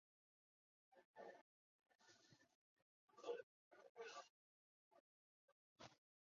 这个故事隶属于他的机器人系列的作品。